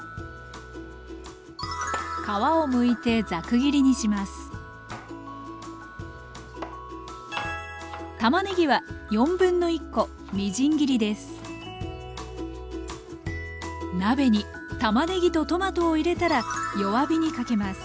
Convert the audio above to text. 鍋にたまねぎとトマトを入れたら弱火にかけます。